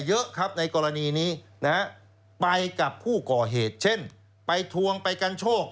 เยอะครับในกรณีนี้นะฮะไปกับผู้ก่อเหตุเช่นไปทวงไปกันโชค